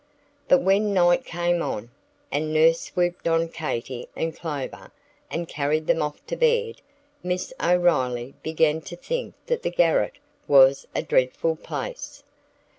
But when night came on, and nurse swooped on Katy and Clover, and carried them off to bed, Miss O'Riley began to think that the garret was a dreadful place.